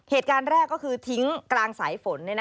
เหตุการณ์แรกก็คือทิ้งกลางสายฝน